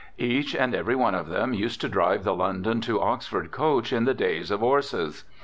Each and every one of them used to drive the London to Oxford coach in the days of 'orses.